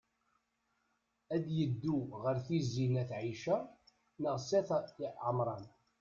Ad yeddu ɣer Tizi n at Ɛica neɣ s at Ɛemṛan?